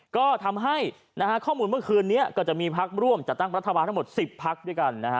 ก็ทำให้ข้อมูลเมื่อคืนนี้ก็จะมีพักร่วมจัดตั้งรัฐบาลทั้งหมด๑๐พักด้วยกันนะฮะ